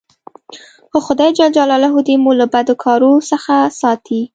خو خداى جل جلاله دي مو له بدو کارو څخه ساتي.